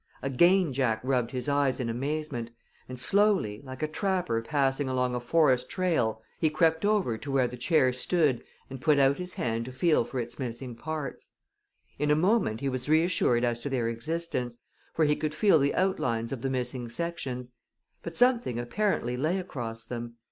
Again Jack rubbed his eyes in amazement, and slowly, like a trapper passing along a forest trail, he crept over to where the chair stood and put out his hand to feel for its missing parts. In a moment he was reassured as to their existence, for he could feel the outlines of the missing sections, but something apparently lay across them.